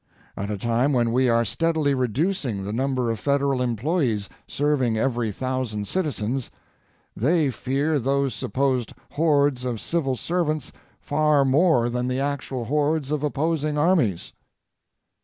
At a time when we are steadily reducing the number of Federal employees serving every thousand citizens, they fear those supposed hordes of civil servants far more than the actual hordes of opposing armies.